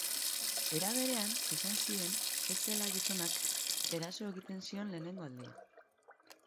Era berean, esan zien ez zela gizonak eraso egiten zion lehenengo aldia.